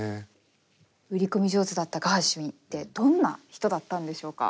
売り込み上手だったガーシュウィンってどんな人だったんでしょうか？